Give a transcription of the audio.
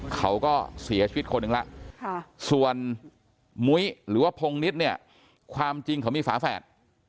เขาก็เสียชีวิตคนหนึ่งแล้วส่วนมุ้ยหรือว่าพงนิดเนี่ยความจริงเขามีฝาแฝด